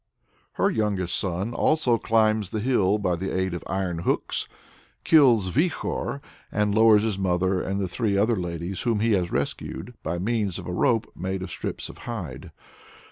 Her youngest son climbs the hill by the aid of iron hooks, kills Vikhor, and lowers his mother and three other ladies whom he has rescued, by means of a rope made of strips of hide.